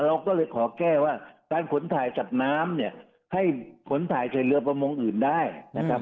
เราก็เลยขอแก้ว่าการขนถ่ายสัตว์น้ำเนี่ยให้ขนถ่ายใส่เรือประมงอื่นได้นะครับ